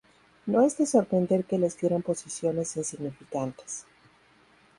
No es de sorprender que les dieran posiciones insignificantes.